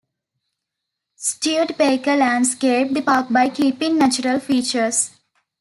Studebaker landscaped the park by keeping natural features.